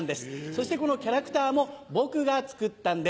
そしてこのキャラクターも僕が作ったんです。